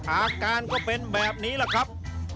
อาการก็เป็นแบบนี้แหละครับ